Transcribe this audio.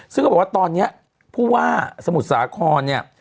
ซึ่งก็บอกว่าตอนนี้ผู้ว่าสมุทรสาครเนี่ย